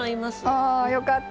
あよかった。